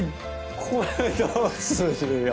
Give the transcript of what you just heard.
これどうするよ。